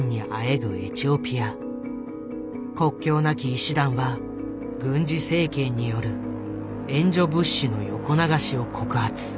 国境なき医師団は軍事政権による援助物資の横流しを告発。